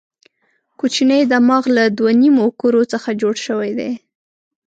کوچنی دماغ له دوو نیمو کرو څخه جوړ شوی دی.